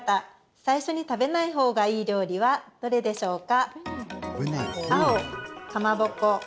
最初に食べない方がいい料理はどれでしょうか？